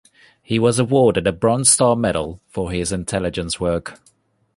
He was awarded a Bronze Star Medal for his intelligence work.